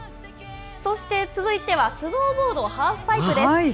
そして続いては、スノーボードハーフパイプです。